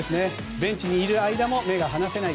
ベンチにいる間も目が離せない。